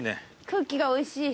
空気がおいしい。